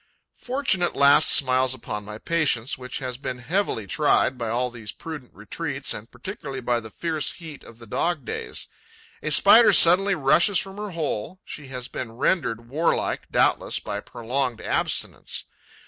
Fortune at last smiles upon my patience, which has been heavily tried by all these prudent retreats and particularly by the fierce heat of the dog days. A Spider suddenly rushes from her hole: she has been rendered warlike, doubtless, by prolonged abstinence.